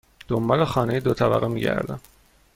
دنبال خانه دو طبقه می گردم.